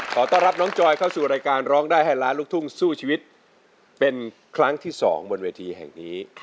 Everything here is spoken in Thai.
ขอต้อนรับน้องจอยเข้าสู่รายการร้องได้ให้ล้านลูกทุ่งสู้ชีวิตเป็นครั้งที่๒บนเวทีแห่งนี้